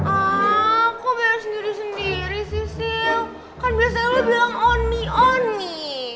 aaaa kok biar sendiri sendiri sih sio kan biasanya lo bilang oni oni